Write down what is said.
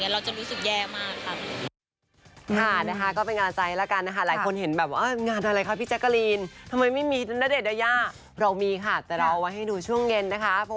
แล้วก็ไปซื้อตามไปใช้ตามอะไรอย่างนี้